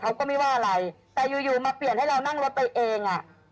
เขาก็ไม่ว่าอะไรแต่อยู่อยู่มาเปลี่ยนให้เรานั่งรถไปเองอ่ะ